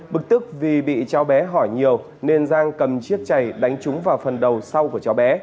bực tức vì bị cháu bé hỏi nhiều nên giang cầm chiếc chầy đánh trúng vào phần đầu sau của cháu bé